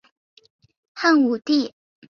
汉武帝建元五年改山划国为山阳郡。